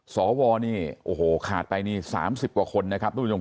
สวเนี่ยขาดไป๓๐กว่าคนนะครับท่านผู้ชม